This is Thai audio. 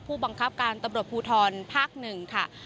ผู้บังคับการตำรวจภูทรภาค๑ค่ะ